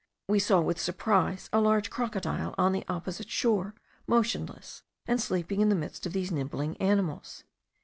We saw with surprise a large crocodile on the opposite shore, motionless, and sleeping in the midst of these nibbling animals.